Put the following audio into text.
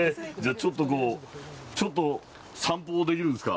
ちょっとこう、ちょっと散歩できるんですか。